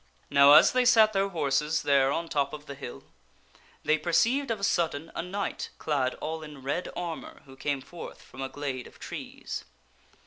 Now as they sat their horses there on top of the hill they perceived of a sudden a knight clad all in red armor who came forth from a glade of trees.